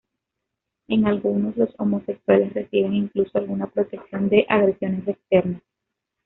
En algunos, los homosexuales reciben incluso alguna protección de agresiones externas.